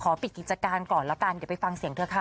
ปิดกิจการก่อนแล้วกันเดี๋ยวไปฟังเสียงเธอค่ะ